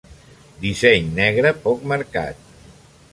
Disseny negre poc marcat.